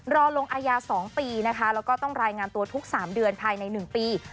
รอลงอายา๒ปีนะคะแล้วก็ต้องรายงานตัวทุก๓เดือนภายใน๑ปี